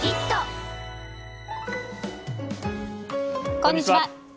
こんにちは。